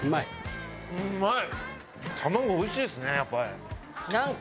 うまい！